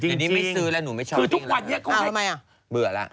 อันนี้ไม่ซื้อแล้วหนูไม่ชอบ